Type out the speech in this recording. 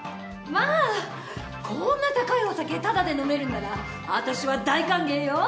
まあこんな高いお酒タダで飲めるんなら私は大歓迎よははっ。